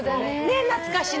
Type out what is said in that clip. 懐かしの。